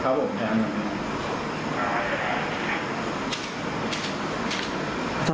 ครับผมแทงอย่างนี้